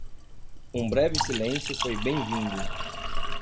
Um breve silêncio foi bem-vindo.